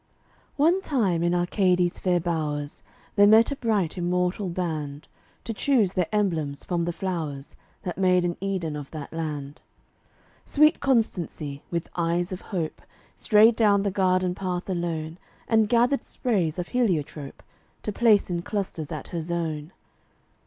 One time in Arcadie's fair bowers There met a bright immortal band, To choose their emblems from the flowers That made an Eden of that land. Sweet Constancy, with eyes of hope, Strayed down the garden path alone And gathered sprays of heliotrope, To place in clusters at her zone.